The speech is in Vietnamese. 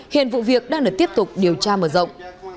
hiện vụ việc đang được tiếp tục điều tra mở rộng